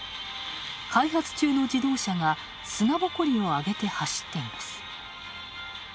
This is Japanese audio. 開発中の自動車が砂ぼこりを上げて走っています。